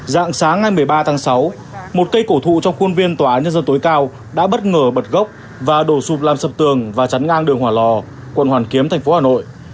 dạng sáng ngày một mươi ba tháng sáu một cây cổ thụ trong khuôn viên tòa án nhân dân tối cao đã bất ngờ bật gốc và đổ sụp làm sập tường và chắn ngang đường hỏa lò quận hoàn kiếm thành phố hà nội